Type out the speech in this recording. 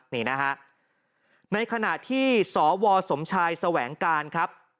นี่นะฮะในขณะที่สวสมชายแสวงการครับ